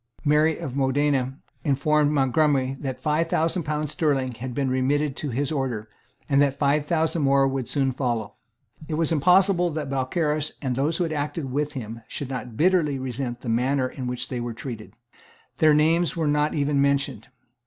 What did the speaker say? Mary of Modena informed Montgomery that five thousand pounds sterling had been remitted to his order, and that five thousand more would soon follow. It was impossible that Balcarras and those who had acted with him should not bitterly resent the manner in which they were treated. Their names were not even mentioned.